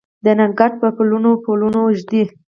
د نګهت پر پلونو پلونه ږدي